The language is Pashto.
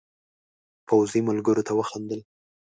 پوځي ملګرو ته وخندل.